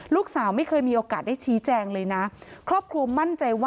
ลูกสาวไม่เคยมีโอกาสได้ชี้แจงเลยนะ